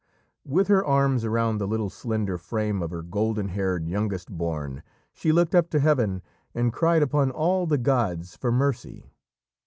With her arms round the little slender frame of her golden haired youngest born, she looked up to heaven, and cried upon all the gods for mercy.